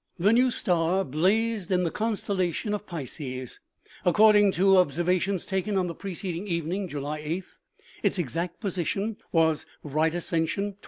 The new star blazed in the constellation of Pisces. According to observa tions taken on the preceding evening, July 8th, its ex act position was: right ascension, 23!!.